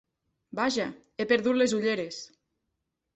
Vaja, he perdut les ulleres!